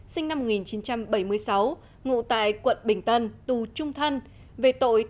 sinh năm một nghìn chín trăm bảy mươi sáu ngụ tại quận bình tân tù trung thân về tội tham mô tài sản